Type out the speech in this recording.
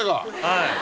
はい。